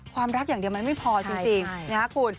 ความรักอย่างเดียวมันไม่พอจริง